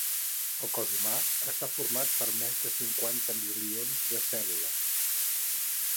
El cos humà està format per més de cinquanta bilions de cèl·lules.